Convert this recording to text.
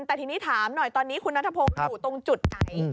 แต่ที่นี้ถามหน่อยคุณนัททะพงษ์อยู่ตรงจุดไหน